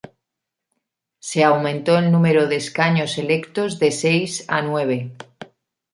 Se aumentó el número de escaños electos de seis a nueve.